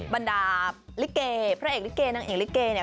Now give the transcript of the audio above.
บรรดาลิเกพระเอกลิเกนางเอกลิเกเนี่ย